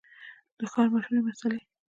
د ښار مشهورې مسلۍ